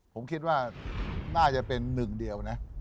ผมคิดว่าน่าจะเป็น๑เดียว